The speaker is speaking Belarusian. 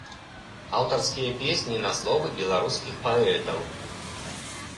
Аўтарскія песні на словы беларускіх паэтаў.